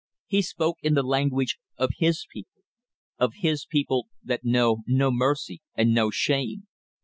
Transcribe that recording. He spoke in the language of his people of his people that know no mercy and no shame.